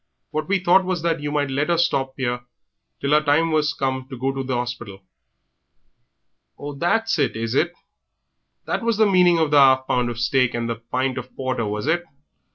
What we thought was that you might let her stop 'ere till her time was come to go to the 'orspital." "Ah, that's it, is it? That was the meaning of the 'alf pound of steak and the pint of porter, was it.